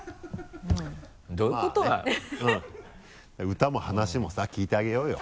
歌も話もさ聞いてあげようよ。